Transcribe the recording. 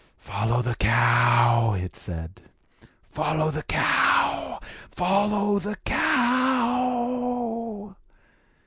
"Follow the cow!" it said. "Follow the cow! Follow the cow!"